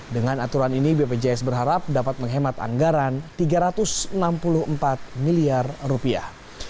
dengan aturan ini bpjs berharap dapat menghemat anggaran tiga ratus enam puluh empat miliar rupiah